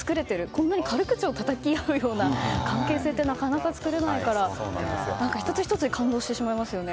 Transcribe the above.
こんなに軽口をたたき合うような関係性ってなかなか作れないから１つ１つに感動してしまいますね。